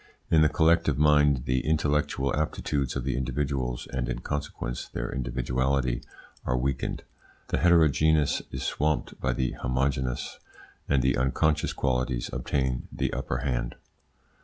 In the collective mind the intellectual aptitudes of the individuals, and in consequence their individuality, are weakened. The heterogeneous is swamped by the homogeneous, and the unconscious qualities obtain the upper hand.